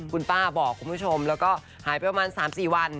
คุณป้าบอกคุณผู้ชมแล้วก็หายไปประมาณ๓๔วัน